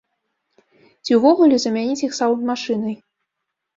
Ці ўвогуле замяніць іх саўнд-машынай.